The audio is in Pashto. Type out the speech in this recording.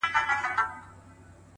o ستوري ډېوه سي ،هوا خوره سي،